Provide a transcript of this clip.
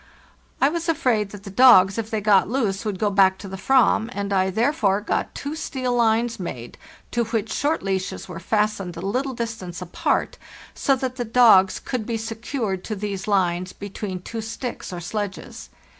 I was afraid that the dogs, if they got loose, would go back to the "vam, and I therefore got two steel lines made, to which short leashes were fastened a little distance apart, so that the dogs could be secured to these lines between two sticks or sledges.